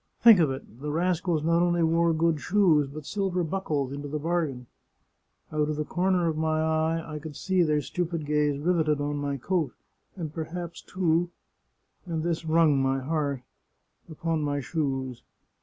Think of it! The rascals not only wore good shoes, but silver buckles into the bargain ! Out of the corner of my eye I could see their stupid gaze riveted on my coat, and perhaps, too — and this wrung my heart — upon my shoes.